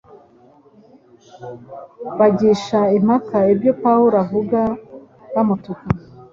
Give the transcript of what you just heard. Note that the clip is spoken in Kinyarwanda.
bagisha impaka ibyo Pawulo avuga bamutuka.”